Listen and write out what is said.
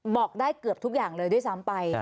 บอกได้เกือบทุกอย่างเลยด้วยซ้ำไป